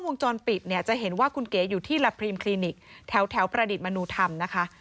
วงจรปิดเนี่ยจะเห็นว่าคุณเก๋อยู่ที่ละพรีมคลินิกแถวประดิษฐ์มนุธรรมนะคะ